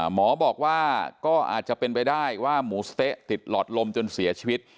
หมอบอกว่าก็อาจจะเป็นไปได้ว่าหมูสะเต๊ะติดหลอดลมจนเสียชีวิต